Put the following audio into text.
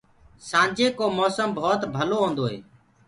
سآنجي ڪو موسم ڀوت ڀلو هوندو هي۔